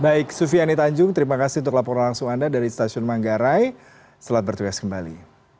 baik sufiani tanjung terima kasih untuk laporan langsung anda dari stasiun manggarai selamat bertugas kembali